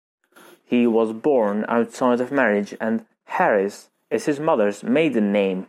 He was born outside of marriage and "Harris" is his mother's maiden name.